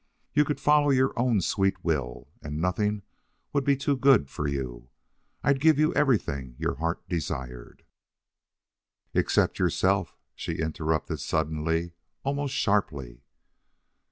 You could follow your own sweet will, and nothing would be too good for you. I'd give you everything your heart desired " "Except yourself," she interrupted suddenly, almost sharply.